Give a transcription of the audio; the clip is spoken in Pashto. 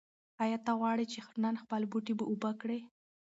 ایا ته غواړې چې نن خپل بوټي اوبه کړې؟